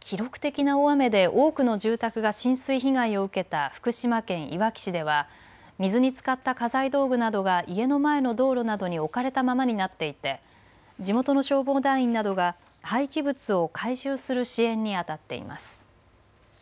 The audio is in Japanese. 記録的な大雨で多くの住宅が浸水被害を受けた福島県いわき市では水につかった家財道具などが家の前の道路などに置かれたままになっていて地元の消防団員などが廃棄物を回収する支援にあたっています。